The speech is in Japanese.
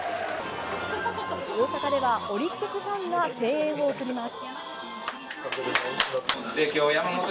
大阪ではオリックスファンが声援を送ります。